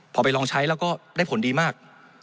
พอไปลองใช้แล้วก็ได้ผลดีมาก